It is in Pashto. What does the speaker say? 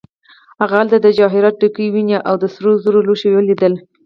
هغه هلته د جواهراتو ډکې ونې او د سرو زرو لوښي ولیدل.